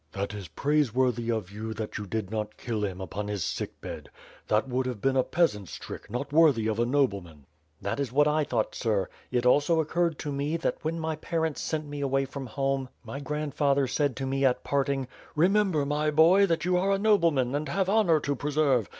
"That is praiseworthy of you that you did not kill him upon his sick bed. That would have been a peasant's trick, not worthy of a nobleman." "That is what I thought, sir. It also occurred to me, that when my parents sent me away from home, my grandfather said to me at parting, 'Eemember, my boy, that you are a nobleman and have honor to preserve.